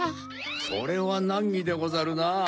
それはなんぎでござるなぁ。